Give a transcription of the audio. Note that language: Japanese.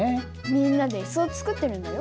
みんなでイスを作ってるんだよ。